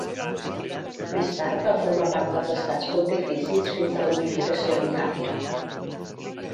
Més tard va formar part dels Estats Pontificis fins a la unificació d'Itàlia.